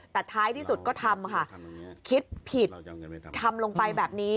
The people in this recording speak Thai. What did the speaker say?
แต่ท้ายที่สุดก็ทำค่ะคิดผิดทำลงไปแบบนี้